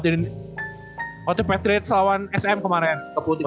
untuk patriots lawan sm kemarin